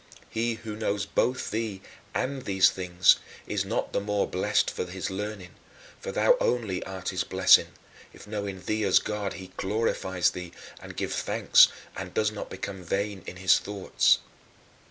He who knows both thee and these things is not the more blessed for his learning, for thou only art his blessing, if knowing thee as God he glorifies thee and gives thanks and does not become vain in his thoughts.